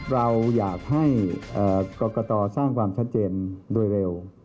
เราอยากให้กรกตสร้างความชัดเจนโดยเร็ว